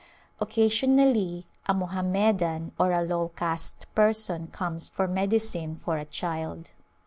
Occasionally a Mohammedan or a low caste person comes for medicine for a child.